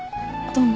どうも。